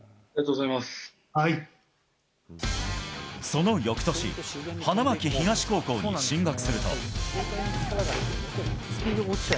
その翌年、花巻東高校に進学すると。